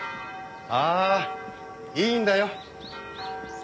ああいいんだよ。